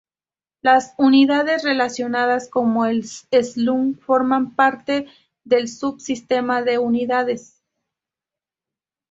Las unidades relacionadas, como el slug, forman parte de sub-sistemas de unidades.